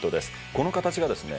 この形がですね